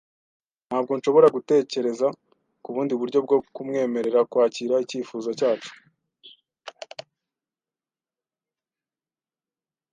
Ntabwo nshobora gutekereza ku bundi buryo bwo kumwemerera kwakira icyifuzo cyacu.